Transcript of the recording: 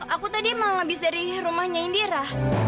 aku tadi emang habis dari rumahnya indira